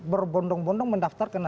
berbondong bondong mendaftar ke nasdem